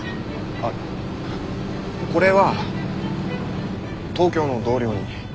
あっこれは東京の同僚に。